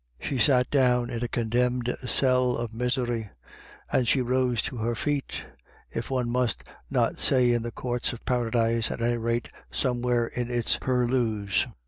She sat down in a condemned cell of misery, and she rose to her feet, if one must not say in the courts of Paradise, at any rate somewhere in its purlieus.